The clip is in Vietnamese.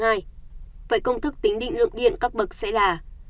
vậy công thức tính định lượng điện các bậc sẽ là